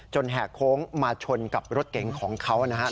แหกโค้งมาชนกับรถเก๋งของเขานะครับ